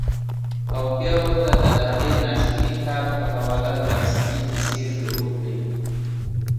او بيا ورته د هغې ناشوني کار پۀ حواله تفصيلي قيصې شورو کړي -